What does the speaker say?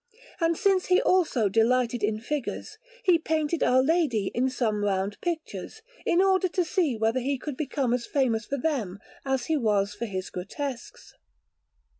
And since he also delighted in figures, he painted Our Lady in some round pictures, in order to see whether he could become as famous for them as he was (for his grotesques).